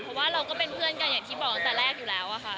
เพราะว่าเราก็เป็นเพื่อนกันอย่างที่บอกตั้งแต่แรกอยู่แล้วอะค่ะ